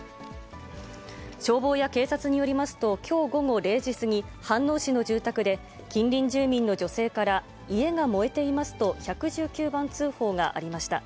消防や警察によりますと、きょう午後０時過ぎ、飯能市の住宅で、近隣住民の女性から家が燃えていますと、１１９番通報がありました。